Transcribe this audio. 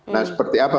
nah seperti apa